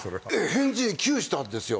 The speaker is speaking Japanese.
返事に窮したんですよ